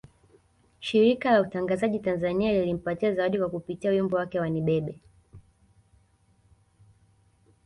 Shirika la Utangazaji Tanzania lilimpatia zawadi kwa kupitia wimbo wake wa Nibebe